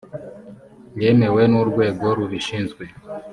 yemewe n urwego rubishinzwe